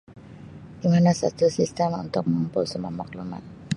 Di mana saja sistem untuk memproses maklumat.